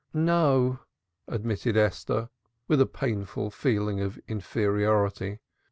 "No," admitted Esther, with a painful feeling of inferiority.